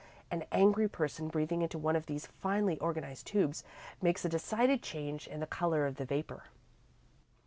An angry person, breathing into one of these finely organised tubes, makes a decided change in the colour of the vapour."